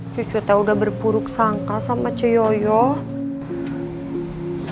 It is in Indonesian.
cucu saya sudah berpuruk sangka sama coyote